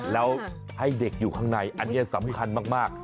แล้วให้เด็กอยู่ข้างในอันนี้สำคัญมาก